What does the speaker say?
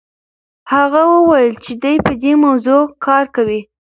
هغه وویل چې دی په دې موضوع کار کوي.